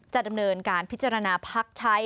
จะดำเนินการพิจารณาพักใช้